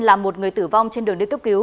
làm một người tử vong trên đường đi cấp cứu